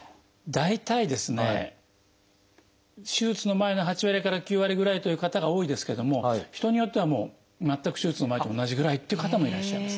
大体ですね手術の前の８割から９割ぐらいという方が多いですけども人によっては全く手術の前と同じぐらいっていう方もいらっしゃいますね。